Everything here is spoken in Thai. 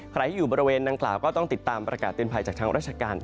ใครที่อยู่บริเวณดังกล่าวก็ต้องติดตามประกาศเตือนภัยจากทางราชการ